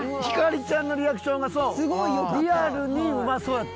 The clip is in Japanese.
ヒカリちゃんのリアクションがそう。